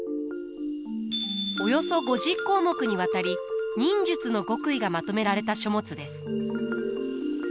およそ５０項目にわたり忍術の極意がまとめられた書物です。